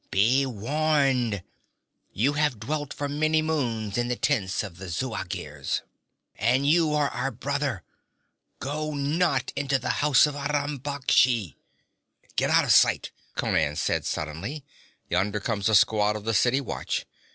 'Be warned! You have dwelt for many moons in the tents of the Zuagirs, and you are our brother! Go not to the house of Aram Baksh!' 'Get out of sight!' Conan said suddenly. 'Yonder comes a squad of the city watch.